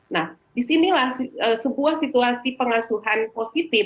nah disinilah sebuah situasi pengasuhan positif